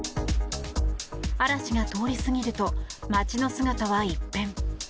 嵐が通り過ぎると街の姿は一変。